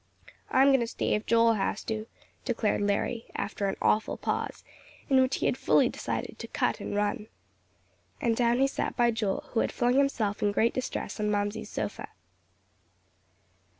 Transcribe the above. "I'm going to stay if Joel has to," declared Larry, after an awful pause in which he had fully decided to cut and run. And down he sat by Joel, who had flung himself in great distress on Mamsie's sofa.